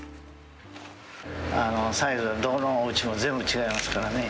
サイズはどこのおうちも全部違いますからね。